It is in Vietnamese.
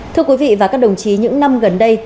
thưa quý vị và các đồng chí những năm gần đây